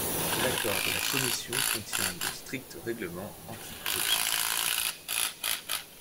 L'accord de la Commission contient de strict règlements anti-corruption.